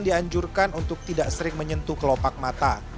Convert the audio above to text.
dianjurkan untuk tidak sering menyentuh kelopak mata